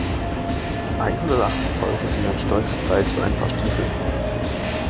Einhundertachtzig Euro sind ein stolzer Preis für ein Paar Stiefel.